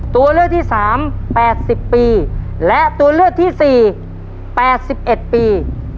ตัวเลือกที่สามแปดสิบปีและตัวเลือกที่สี่แปดสิบเอ็ดปี